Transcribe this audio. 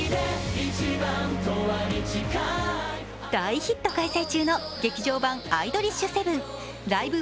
大ヒット開催中の「劇場版アイドリッシュセブンＬＩＶＥ